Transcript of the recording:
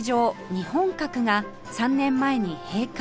日本閣が３年前に閉館